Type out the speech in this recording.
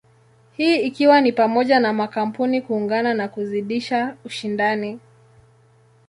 Hii ikiwa ni pamoja na makampuni kuungana na kuzidisha ushindani.